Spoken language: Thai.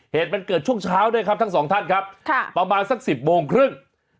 เหตุมันเกิดช่วงเช้าด้วยครับทั้งสองท่านครับประมาณสัก๑๐โมงครึ่ง